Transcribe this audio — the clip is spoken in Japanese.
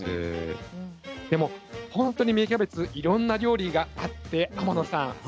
でもほんとに芽キャベツいろんな料理があって天野さん